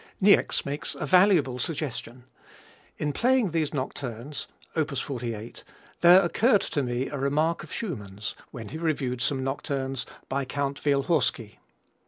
Niecks makes a valuable suggestion: "In playing these nocturnes op. 48 there occurred to me a remark of Schumann's, when he reviewed some nocturnes by Count Wielhorski.